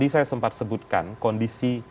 saya sempat sebutkan kondisi